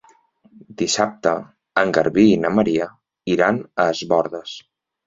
Dissabte en Garbí i na Maria iran a Es Bòrdes.